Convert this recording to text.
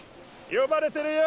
呼ばれてるよ。